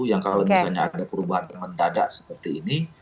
yang kalau misalnya ada perubahan teman dada seperti ini